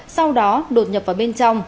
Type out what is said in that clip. sau đó đột nhập vào bên trong